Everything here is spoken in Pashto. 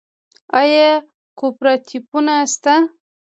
آیا کوپراتیفونه شته؟